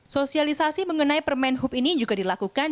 sosialisasi mengenai permen hub ini juga dilakukan